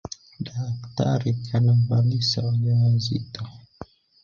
Daktari kanavyalisa wajawazito.